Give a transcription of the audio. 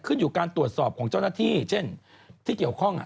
ขึ้นอยู่การตรวจสอบของเจ้าหน้าที่เช่นที่เกี่ยวข้อง